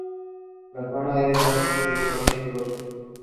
These works provide the oldest glimpse into the Kagoshima dialect.